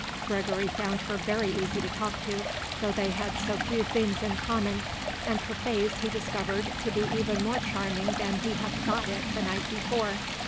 Gregory found her very easy to talk to, though they had so few themes in common, and her face he discovered to be even more charming than he had thought it the night before.